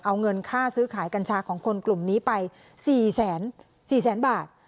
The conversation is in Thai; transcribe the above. เอาเงินค่าซื้อขายกัญชาของคนกลุ่มนี้ไป๔๔๐๐๐บาท